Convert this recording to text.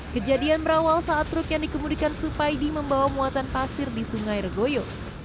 kejadian berawal saat truk yang dikemudikan supaidi membawa muatan pasir di sungai regoyo